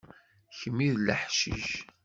Kemm i leḥcic.